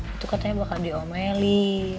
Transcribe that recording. itu katanya bakal diomeli